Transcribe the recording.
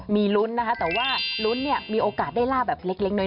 มีรุ้นนะครับแต่ว่ารุ้นเนี่ยมีโอกาสให้ได้ลาภแบบเล็กเล็กเน้ย